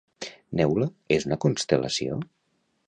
Neula és una constel·lació?